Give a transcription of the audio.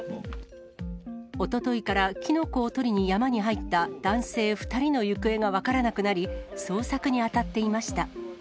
おとといからキノコを採りに山に入った男性２人の行方が分からなくなり、捜索に当たっていました。